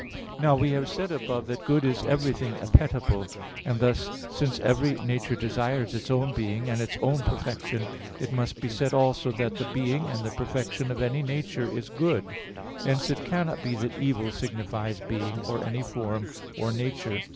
Now, we have said above that good is everything appetible; and thus, since every nature desires its own being and its own perfection, it must be said also that the being and the perfection of any nature is good. Hence it cannot be that evil signifies being, or any form or nature.